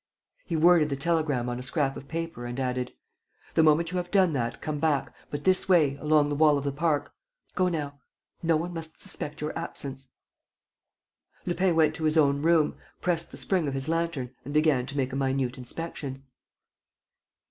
..." He worded the telegram on a scrap of paper and added: "The moment you have done that, come back, but this way, along the wall of the park. Go now. No one must suspect your absence." Lupin went to his own room, pressed the spring of his lantern and began to make a minute inspection.